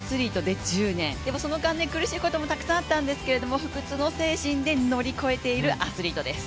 高校時代に脚光を浴びてからトップアスリートで１０年その間、苦しいこともたくさんあったんですけど不屈の精神で乗り越えている、アスリートです。